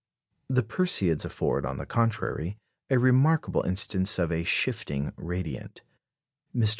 The Perseids afford, on the contrary, a remarkable instance of a "shifting radiant." Mr.